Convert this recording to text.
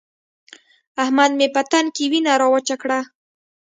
احمد مې په تن کې وينه راوچه کړه.